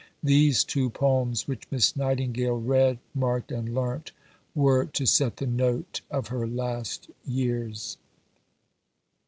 These two poems which Miss Nightingale read, marked, and learnt, were to set the note of her last years.